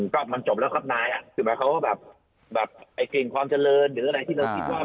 ก็มันจบแล้วครับนายอ่ะคือหมายความว่าแบบไอ้กลิ่นความเจริญหรืออะไรที่เราคิดว่า